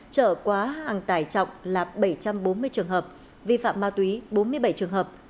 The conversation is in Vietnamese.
trở quá hàng tải trọng là bảy trăm bốn mươi trường hợp vi phạm ma túy bốn mươi bảy trường hợp